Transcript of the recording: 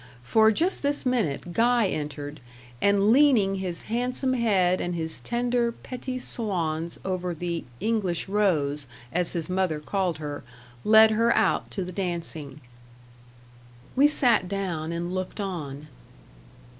For, just this minute, Guy entered, and leaning his handsome head and his tender petits soins over the "English rose," as his mother called her, led her out to the dancing. We sat down and looked on.